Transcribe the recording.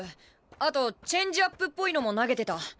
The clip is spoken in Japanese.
あとチェンジアップっぽいのも投げてた。